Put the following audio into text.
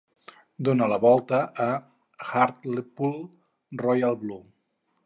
Dóna la volta a "Hartlepool Royal Blue".